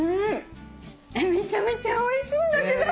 めちゃめちゃおいしいんだけど！